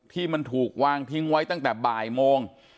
ที่มันถูกวางทิ้งไว้ตั้งแต่บ่ายโมง